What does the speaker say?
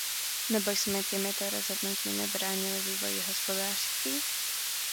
Nebo jsme těmito rozhodnutími bránili vývoji hospodářství?